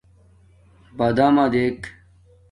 بَدَمݳ دݵک.